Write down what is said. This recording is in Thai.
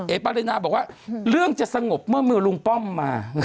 ปรินาบอกว่าเรื่องจะสงบเมื่อมือลุงป้อมมา